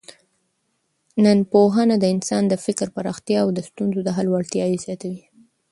ننپوهنه د انسان د فکر پراختیا او د ستونزو د حل وړتیا زیاتوي.